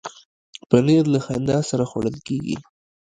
پنېر له خندا سره خوړل کېږي.